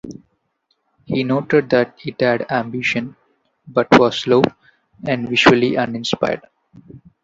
He noted that it had ambition, but was "slow" and "visually uninspired".